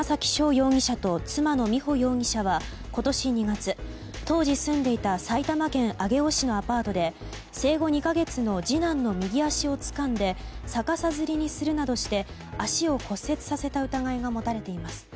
容疑者と妻の美穂容疑者は今年２月、当時住んでいた埼玉県上尾市のアパートで生後２か月の次男の右足をつかんで逆さづりにするなどして足を骨折させた疑いが持たれています。